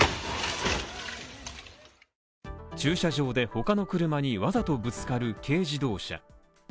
駐車場で他の車にわざとぶつかる軽自動車。